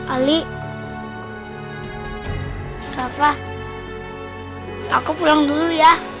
aku mau pulang dulu ya